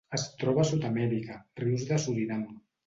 Es troba a Sud-amèrica: rius de Surinam.